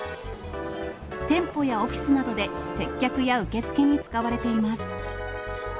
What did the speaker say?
店舗やオフィスなどで接客や受付に使われています。